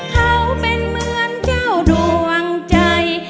เขาเป็นเหมือนเจ้าดวงใจ